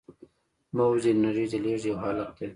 موج د انرژۍ د لیږد یو حالت دی.